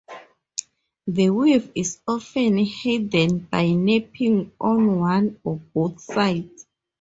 The weave is often hidden by napping on one or both sides.